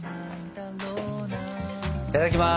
いただきます！